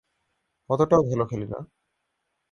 অতটাও ভালো খেলি না।